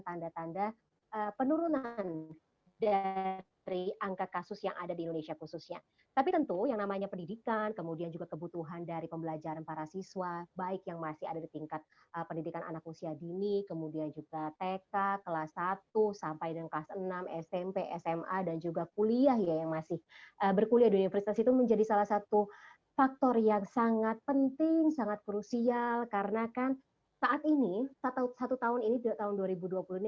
tanda tanda penurunan dari angka kasus yang ada di indonesia khususnya tapi tentu yang namanya pendidikan kemudian juga kebutuhan dari pembelajaran para siswa baik yang masih ada di tingkat pendidikan anak usia dini kemudian juga tk kelas satu sampai kelas enam smp sma dan juga kuliah yang masih berkuliah di universitas itu menjadi salah satu faktor yang sangat penting sangat krusial karena kan saat ini satu tahun ini tidak tahun dua ribu dua puluh satu